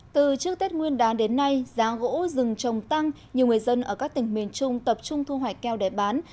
từ trước tết nguyên đán đến nay giá gỗ rừng trồng tăng nhiều người dân ở các tỉnh miền trung tập trung thu hoạch keo để bán